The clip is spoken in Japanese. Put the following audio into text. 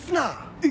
えっ？